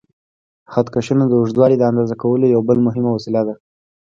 خط کشونه د اوږدوالي د اندازه کولو یو بل مهم وسیله ده.